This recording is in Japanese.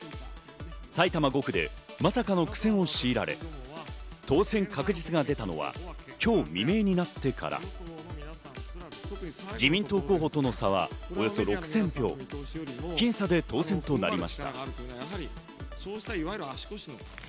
埼玉５区でまさかの苦戦をしいられ、当選確実が出たのは今日未明になってから自民党候補との差はおよそ６０００票、僅差で当確となりま